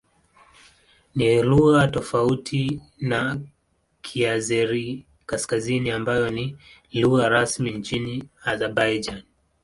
Ni lugha tofauti na Kiazeri-Kaskazini ambayo ni lugha rasmi nchini Azerbaijan.